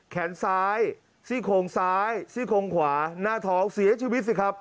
แขนซ้ายซี่โครงซ้ายซี่โครงขวาหน้าท้องเสียชีวิตสิครับ